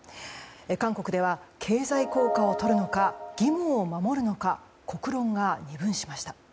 韓国では、経済効果をとるのか義務を守るのか国論が二分しました。